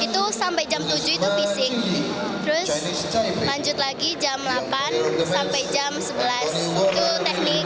terus lanjut lagi jam delapan sampai jam sebelas itu teknik